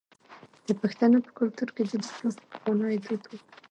د پښتنو په کلتور کې د لیک لوستل پخوانی دود و.